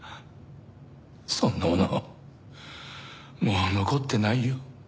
そんなものもう残ってないよ。